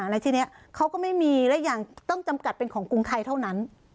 แล้วทีนี้เขาก็ไม่มีและยังต้องจำกัดเป็นของกรุงไทยเท่านั้น